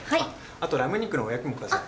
あとラム肉のお焼きもください。